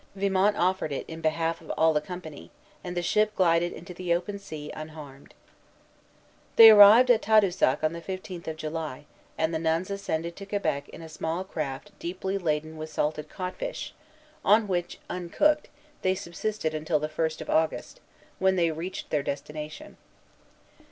Vimont offered it in behalf of all the company, and the ship glided into the open sea unharmed. Juchereau, Histoire de l'Hôtel Dieu de Québec, 4. They arrived at Tadoussac on the fifteenth of July; and the nuns ascended to Quebec in a small craft deeply laden with salted codfish, on which, uncooked, they subsisted until the first of August, when they reached their destination.